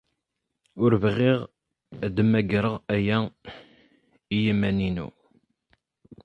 Ur bɣiɣ ad mmagreɣ aya i yiman-inu.